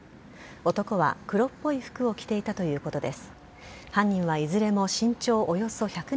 男は黒っぽい服を着ていたということです。